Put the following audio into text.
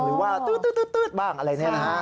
หรือว่าตื๊ดบ้างอะไรเนี่ยนะฮะ